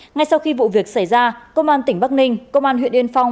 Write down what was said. ngay sau khi vụ việc xảy ra công an tỉnh bắc ninh công an huyện yên phong